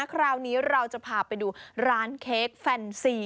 คราวนี้เราจะพาไปดูร้านเค้กแฟนซี